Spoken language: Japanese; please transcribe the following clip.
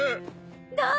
どう？